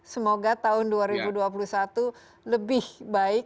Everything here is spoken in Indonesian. semoga tahun dua ribu dua puluh satu lebih baik